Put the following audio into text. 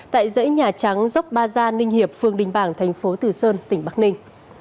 tại dãy nhà trắng dốc ba gia ninh hiệp phường đình bảng thành phố từ sơn tỉnh bắc ninh